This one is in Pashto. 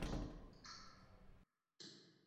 تواب کېناست. غوږ يې وتخڼېد. جُوجُو وويل: